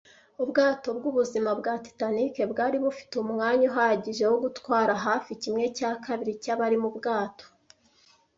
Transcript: Ubwato bwubuzima bwa Titanic bwari bufite umwanya uhagije wo gutwara hafi kimwe cya kabiri cyabari mu bwato.